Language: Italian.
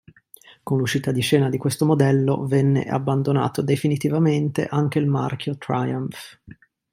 Con l'uscita di scena di questo modello, venne abbandonato definitivamente anche il marchio "Triumph".